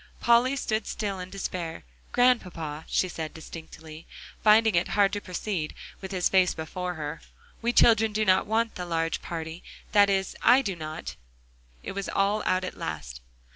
Polly stood still in despair. "Grandpapa," she said distinctly, finding it hard to proceed, with his face before her, "we children do not want the large party; that is I do not." It was all out at last.